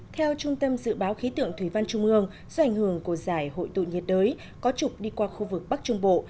theo trung tâm dự báo khí tượng thủy văn trung ương do ảnh hưởng của giải hội tụ nhiệt đới có trục đi qua khu vực bắc trung bộ